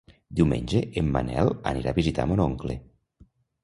Diumenge en Manel anirà a visitar mon oncle.